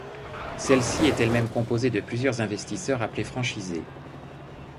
Celle-ci est elle-même composée de plusieurs investisseurs appelés franchisés.